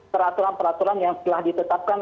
peraturan peraturan yang telah ditetapkan